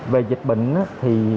về dịch bệnh